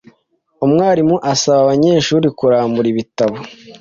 Umwarimu asaba abanyeshuri kurambura ibitabo